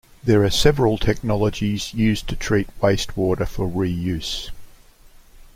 There are several technologies used to treat wastewater for reuse.